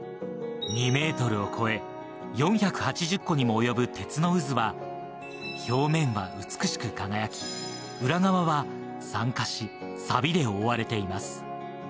２メートルを超え、４８０個にも及ぶ鉄の渦は表面は美しく輝き、裏側は酸化し、錆びで覆われています。